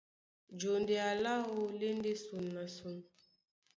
Jondea láō lá e ndé son na son.